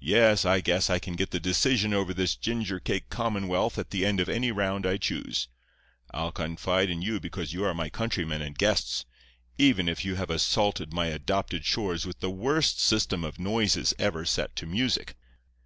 Yes, I guess I can get the decision over this ginger cake commonwealth at the end of any round I choose. I'll confide in you because you are my countrymen and guests, even if you have assaulted my adopted shores with the worst system of noises ever set to music.